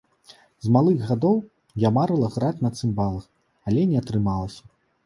З малых гадоў я марыла граць на цымбалах, але не атрымалася.